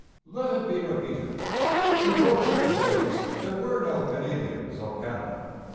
Let it be repeated. In those old days there were no Canadians of Canada.